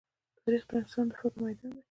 تاریخ د انسان د فکر ميدان دی.